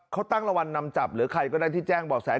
เขาตั้งรางวัลนำจับหรือใครก็ได้ที่แจ้งบ่อแส